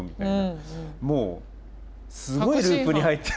もうすごいループに入ってる。